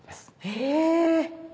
へぇ！